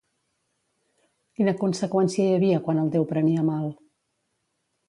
Quina conseqüència hi havia quan el déu prenia mal?